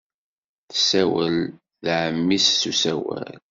Tessawel d ɛemmi-s s usawal.